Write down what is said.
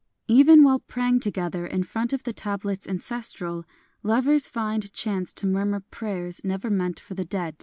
202 BUDDHIST ALLUSIONS Even while praying together in front of the tablets ancestral, Lovers find chance to murmur prayers never meant for the dead